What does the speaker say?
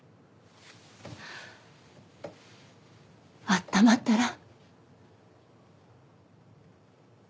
あったまったら？